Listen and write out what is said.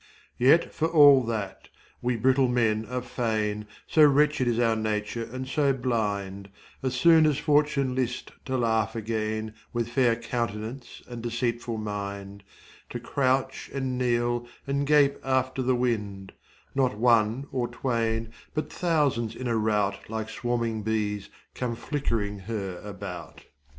Yet for all that, we brittle men are fain,5 So wretched is our nature and so blind, As soon as fortune list6 to laugh again With fair countenance and deceitful mind, To crouch and kneel and gape after the wind; Not one or twain,7 but thousands in a rout, Like swarming bees, come flickering her about.